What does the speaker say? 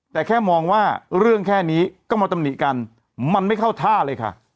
แต่แค่มองว่าเรื่องแค่นี้ก็มาตำหนิกันมันไม่เข้าท่าเลยค่ะ